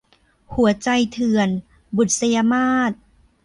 หัวใจเถื่อน - บุษยมาส